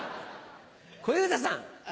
小遊三さん。